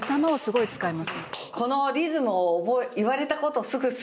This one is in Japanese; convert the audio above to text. このリズムを。